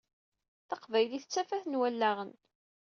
Taqbaylit d tafat n wallaɣen.